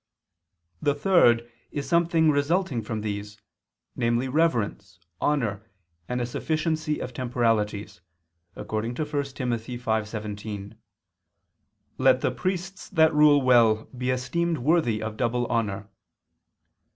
The third is something resulting from these, namely reverence, honor, and a sufficiency of temporalities, according to 1 Tim. 5:17, "Let the priests that rule well be esteemed worthy of double honor."